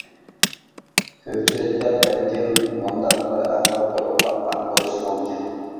كۆپچىلىكتە بەلكىم مۇنداق بىر ئەھۋال بولۇپ باققان بولۇشى مۇمكىن.